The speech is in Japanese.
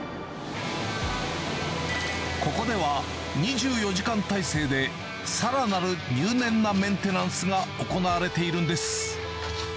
ここでは、２４時間体制でさらなる入念なメンテナンスが行われているんです。